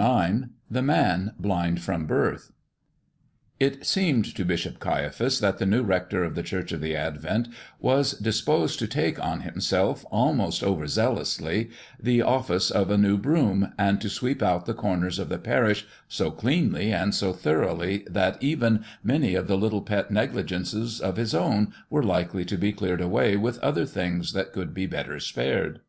IX THE MAN BLIND FROM BIRTH IT seemed to Bishop Caiaphas that the new rector of the Church of the Advent was disposed to take on himself almost over zealously the office of a new broom, and to sweep out the corners of the parish so cleanly and so thoroughly that even many of the little pet negligences of his own were likely to be cleared away with other things that could be better spared.